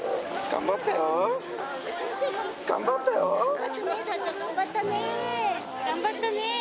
頑張ったね。